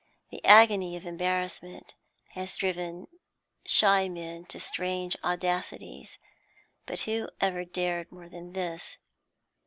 The agony of embarrassment has driven shy men to strange audacities, but who ever dared more than this?